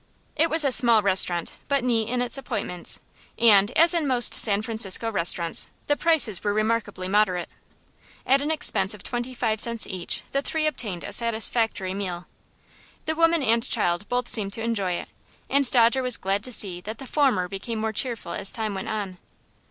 It was a small restaurant, but neat in its appointments, and, as in most San Francisco restaurants, the prices were remarkably moderate. At an expense of twenty five cents each, the three obtained a satisfactory meal. The woman and child both seemed to enjoy it, and Dodger was glad to see that the former became more cheerful as time went on.